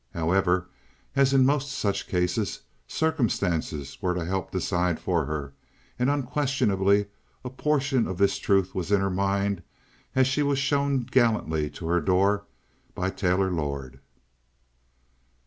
However, as in most such cases, circumstances were to help decide for her, and, unquestionably, a portion of this truth was in her mind as she was shown gallantly to her door by Taylor Lord.